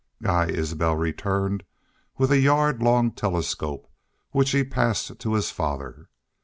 Guy Isbel returned with a yard long telescope, which he passed to his father.